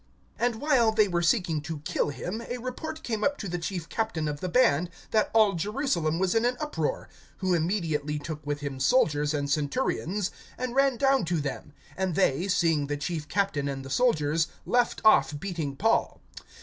(31)And while they were seeking to kill him, a report came up to the chief captain of the band, that all Jerusalem was in an uproar; (32)who immediately took with him soldiers and centurions, and ran down to them; and they, seeing the chief captain and the soldiers, left off beating Paul.